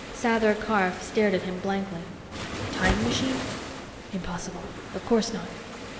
Sather Karf stared at him blankly. "Time machine? Impossible. Of course not.